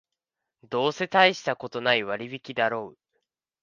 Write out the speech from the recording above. どうせたいしたことない割引だろう